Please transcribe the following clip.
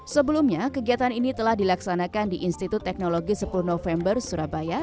sebelumnya kegiatan ini telah dilaksanakan di institut teknologi sepuluh november surabaya